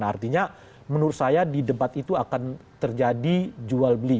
artinya menurut saya di debat itu akan terjadi jual beli